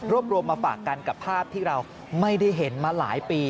รวมมาฝากกันกับภาพที่เราไม่ได้เห็นมาหลายปี